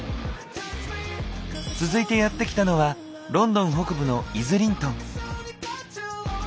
続いてやって来たのはロンドン北部のイズリントン。